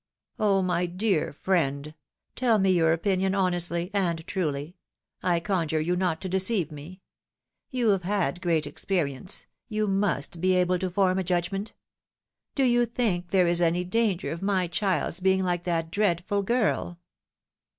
" Oh, my dear friend ! tell me your opinion honestly and truly — I conjure you not to deceive me ! You have had great experience — you must be able to form a judgment. Do you think there is any danger of my child's being like that dreadful girl?"